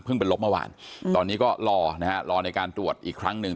เป็นลบเมื่อวานตอนนี้ก็รอนะฮะรอในการตรวจอีกครั้งหนึ่ง